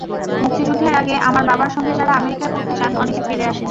মুক্তিযুদ্ধের আগে আমার বাবার সঙ্গে যারা আমেরিকায় পড়তে যান অনেকে ফিরে আসেননি।